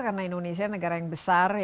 karena indonesia negara yang besar